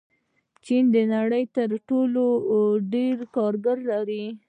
چین د نړۍ تر ټولو ډېر کارګر لري.